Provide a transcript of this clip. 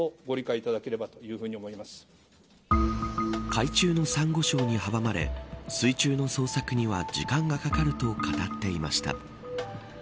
海中のサンゴ礁に阻まれ水中の捜索には時間がかかると語っていました。